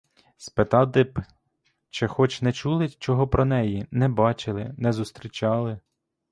Спитати б, чи хоч не чули чого про неї, не бачили, не зустрічали?